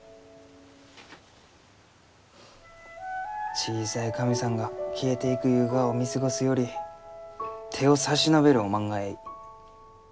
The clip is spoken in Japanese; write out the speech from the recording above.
小さい神さんが消えていくゆうがを見過ごすより手を差し伸べるおまんがえい。